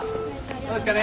どうですか？